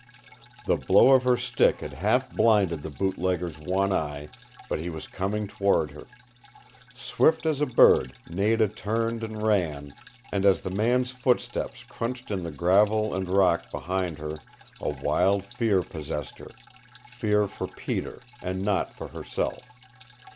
The blow of her stick had half blinded the bootlegger's one eye, but he was coming toward her. Swift as a bird Nada turned and ran, and as the man's footsteps crunched in the gravel and rock behind her a wild fear possessed her fear for Peter, and not for herself.